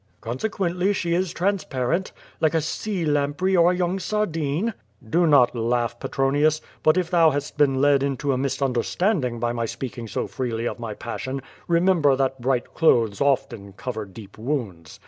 "Consequently she is transparent, like a sea lamprey or a young sardine?" "Do not laugh, Petronius. But if thou hast been led into a misunderstanding by my speaking so freely of my passion, remember that bright clothes often cover deep wounds.